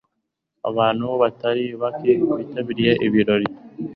Abantu batari bake bitabiriye ibirori.